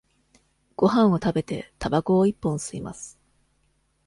ごはんを食べて、たばこを一本吸います。